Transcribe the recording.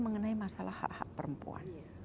mengenai masalah hak hak perempuan